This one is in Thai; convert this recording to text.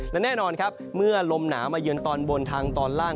และแน่นอนครับเมื่อลมหนาวมาเยือนตอนบนทางตอนล่าง